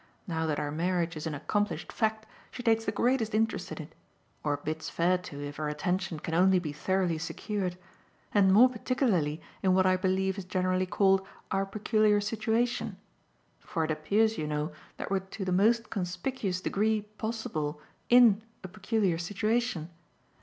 Now that our marriage is an accomplished fact she takes the greatest interest in it or bids fair to if her attention can only be thoroughly secured and more particularly in what I believe is generally called our peculiar situation: for it appears, you know, that we're to the most conspicuous degree possible IN a peculiar situation.